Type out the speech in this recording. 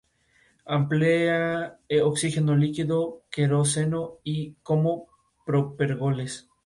Emplea oxígeno líquido y queroseno como propergoles.